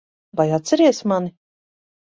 Vai atceries mani?